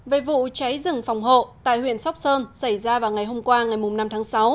về vụ cháy rừng phòng hộ tại huyện sóc sơn xảy ra vào ngày hôm qua ngày năm tháng sáu